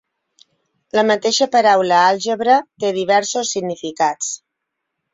La mateixa paraula àlgebra té diversos significats.